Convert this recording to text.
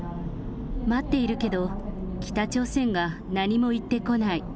待っているけど、北朝鮮が何も言ってこない。